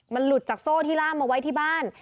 มันหลุดจากโซ่ที่ล่ามเอาไว้ที่บ้าน